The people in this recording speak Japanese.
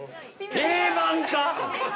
定番か？